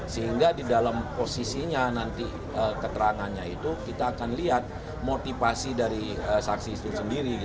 sehingga di dalam posisinya nanti keterangannya itu kita akan lihat motivasi dari saksi itu sendiri